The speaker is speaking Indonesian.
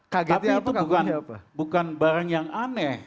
tapi itu bukan barang yang aneh